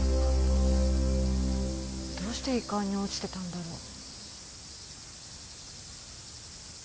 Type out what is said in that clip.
どうして１階に落ちてたんだろう。